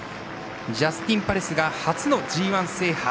ジャスティンパレスが初のＧＩ制覇。